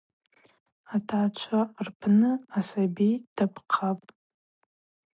Атгӏачва рпны асаби дапхъапӏ.